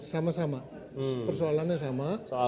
sama sama persoalannya sama